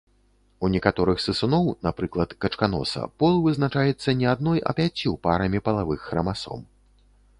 У некаторых сысуноў, напрыклад, качканоса, пол вызначаецца не адной, а пяццю парамі палавых храмасом.